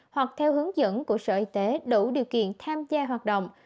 hoặc theo hướng dẫn của sở y tế đủ điều kiện tham gia hoạt động